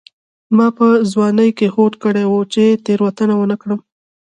ما په ځوانۍ کې هوډ کړی و چې تېروتنه ونه کړم.